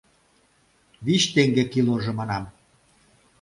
— Вич теҥге киложо, манам.